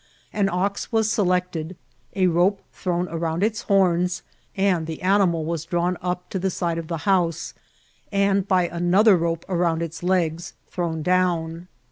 An ox was selected, a rope thrown around its horns, and the animal was drawn up to the side of the house, and, by another rope around its legs, thrown down.